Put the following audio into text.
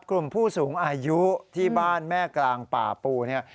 กลุ่มผู้สูงอายุที่บ้านแม่กลางป่าปูเนี่ย